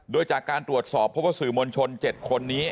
โดยจากการตรวจสอบเพราะว่าสื่อมวลชน๗คนนี้